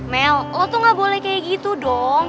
mel lo tuh nggak boleh kayak gitu dong